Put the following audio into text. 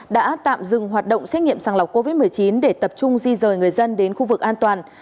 đã tạm dừng hoạt động xét nghiệm sàng lọc covid một mươi chín để tập trung di rời người dân đến khu vực an toàn